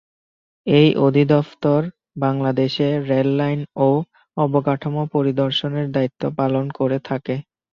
এই অধিদফতর বাংলাদেশে রেললাইন ও অবকাঠামো পরিদর্শনের দায়িত্ব পালন করে থাকে।